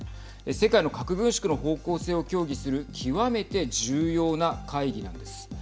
世界の核軍縮の方向性を協議する極めて重要な会議なんです。